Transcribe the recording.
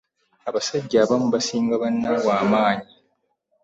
Abasajja abamu basinga bannabwe amaanyi .